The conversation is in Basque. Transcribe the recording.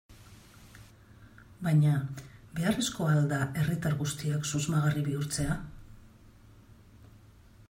Baina, beharrezkoa al da herritar guztiak susmagarri bihurtzea?